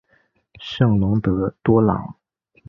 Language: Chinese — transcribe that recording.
圣龙德多朗。